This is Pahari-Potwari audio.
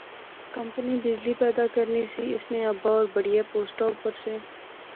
کمپنی بجلی پیدا کرنی سی، اس نے ابا ہور بڑیا پوسٹا اپر سے